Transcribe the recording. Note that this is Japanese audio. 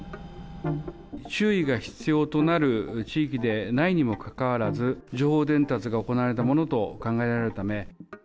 注意が必要となる地域でないにもかかわらず、情報伝達が行われたものと考えられるため。